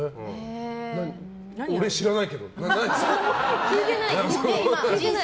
俺、知らないけど。